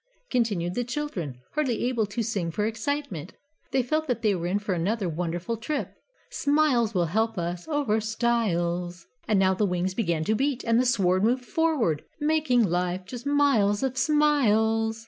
continued the children, hardly able to sing for excitement. They felt that they were in for another wonderful trip. "Smiles will help us Over stiles." And now the wings began to beat, and the sword moved forward "Making life Just miles of Smiles!"